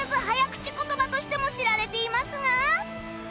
口言葉としても知られていますが